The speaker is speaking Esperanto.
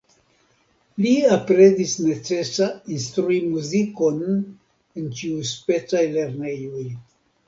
Li aprezis necesa instrui muzikon en ĉiuspecaj lernejoj.